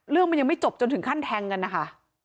เรื่องมันยังไม่จบจนถึงขั้นแทงกันนะคะ